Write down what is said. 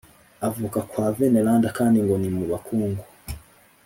avuka kwa veneranda, kandi ngo ni mu bakungu